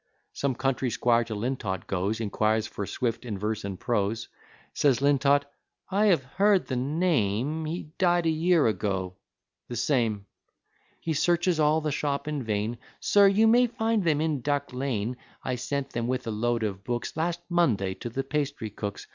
Some country squire to Lintot goes, Inquires for "Swift in Verse and Prose." Says Lintot, "I have heard the name; He died a year ago." "The same." He searches all the shop in vain. "Sir, you may find them in Duck lane; I sent them with a load of books, Last Monday to the pastry cook's.